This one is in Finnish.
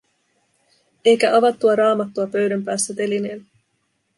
Eikä avattua raamattua pöydän päässä telineellä.